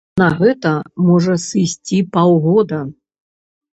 На гэта можа сысці паўгода.